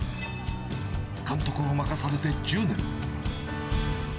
監督を任されて１０年。